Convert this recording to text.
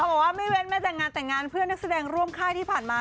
บอกว่าไม่เว้นแม้แต่งานแต่งงานเพื่อนนักแสดงร่วมค่ายที่ผ่านมา